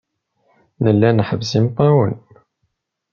Nella nḥebbes imeṭṭawen.